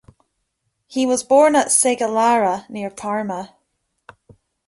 He was born at Segalara near Parma.